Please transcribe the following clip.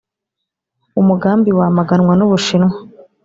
umugambi wamaganwa n’u Bushinwa